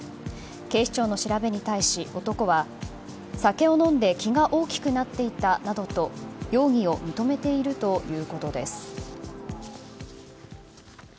警視庁の調べに対し、男は酒を飲んで気が大きくなっていたなどと容疑を認めているということです。